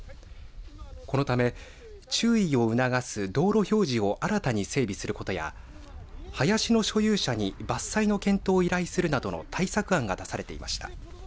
このため、注意を促す道路標示を新たに整備することや林の所有者に伐採の検討を依頼するなどの対策案が出されていました。